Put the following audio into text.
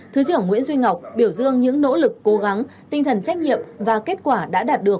thứ trưởng nguyễn duy ngọc biểu dương những nỗ lực cố gắng tinh thần trách nhiệm và kết quả đã đạt được